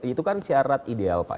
itu kan syarat ideal pak